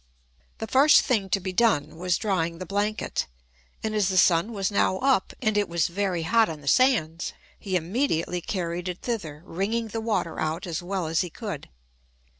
The first thing to be done, was drying the blanket; and as the sun was now up, and it was very hot on the sands, he immediately carried it thither, wringing the water out as well as he could.